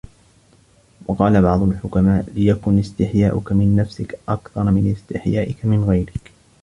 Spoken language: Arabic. وَقَالَ بَعْضُ الْحُكَمَاءِ لِيَكُنْ اسْتِحْيَاؤُك مِنْ نَفْسِك أَكْثَرَ مِنْ اسْتِحْيَائِك مِنْ غَيْرِك